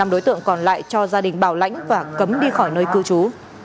năm đối tượng còn lại cho gia đình bảo lãnh và cấm đi khỏi nơi cư trú